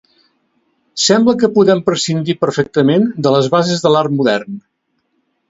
Sembla que podem prescindir perfectament de les bases de l'art modern.